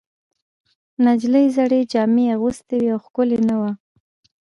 نجلۍ زړې جامې اغوستې وې او ښکلې نه وه.